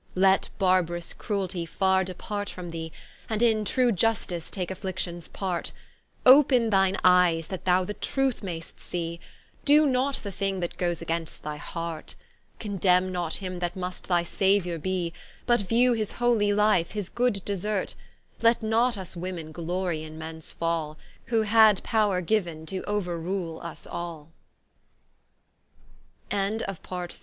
Let barb'rous crueltie farre depart from thee, And in true Iustice take afflictions part; Open thine eies, that thou the truth mai'st see, Doe not the thing that goes against thy heart; Condemne not him that must thy Sauiour be; But view his holy Life, his good desert: Let not vs Women glory in Mens fall, Who had power